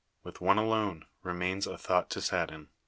With one alone remains a thought to sadden.